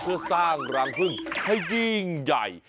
เพื่อสร้างรังพึ่งให้ยิ่งใหญ่